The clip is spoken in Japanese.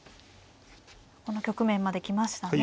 この局面まで来ましたね。